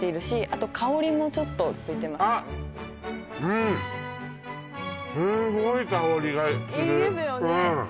あと香りもちょっとあっうんいいですよね